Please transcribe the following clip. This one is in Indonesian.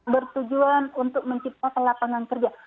bertujuan untuk menciptakan lapangan kerja